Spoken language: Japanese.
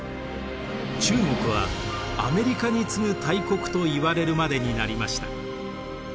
中国はアメリカに次ぐ大国といわれるまでになりました。